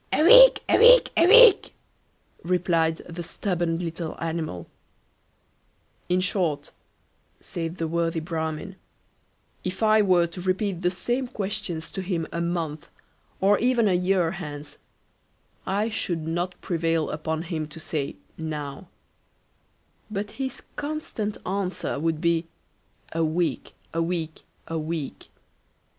A week, a week, a week, replied the stubborn little animal. "In short, said the worthy Bramin, if I were to repeat the same questions to him a month, or even a year hence, I should not prevail upon him to say now; but his constant answer would be, a week, a week, a week.